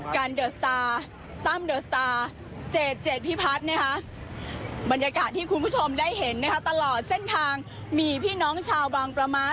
ตั้มเดอร์สตาร์เจดเจดพิพัฒน์นะคะบรรยากาศที่คุณผู้ชมได้เห็นนะคะตลอดเส้นทางมีพี่น้องชาวบางประม้า